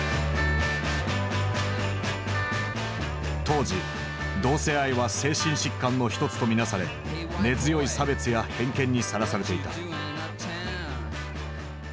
当時同性愛は精神疾患のひとつと見なされ根強い差別や偏見にさらされていた。